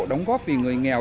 đóng góp vì người nghèo